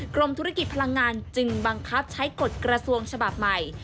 กรมธุรกิจพลังงานจึงบังคับใช้กฎกระทรวงฉบับใหม่